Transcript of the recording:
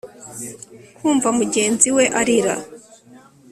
Kumva mugenzi we arira